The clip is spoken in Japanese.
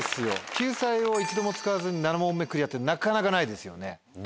救済を一度も使わずに。ってなかなかないですよね。